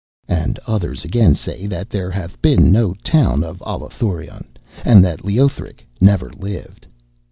And others again say that there hath been no town of Allathurion, and that Leothric never lived.